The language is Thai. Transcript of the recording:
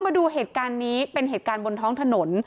มาดูเหตุการณ์นี้เป็นเหตุการณ์บนท้องถนน